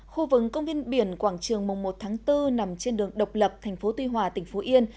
khu vực công viên biển quảng trường mùng một tháng bốn nằm trên đường độc lập thành phố tuy hòa tỉnh phú yên